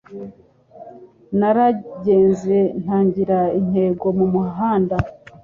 Naragenze ntagira intego mu muhanda.